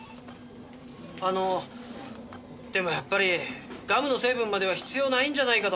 あのでもやっぱりガムの成分までは必要ないんじゃないかと。